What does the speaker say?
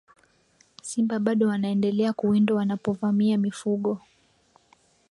simba bado wanaendelea kuwindwa wanapovamia mifugo